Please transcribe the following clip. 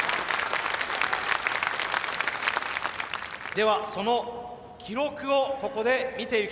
ではその記録をここで見ていきましょう。